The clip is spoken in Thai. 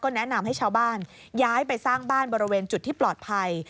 แนะนำให้ชาวบ้านย้ายไปสร้างบ้านบริเวณจุดที่ปลอดภัย